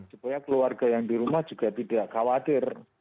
supaya keluarga yang di rumah juga tidak khawatir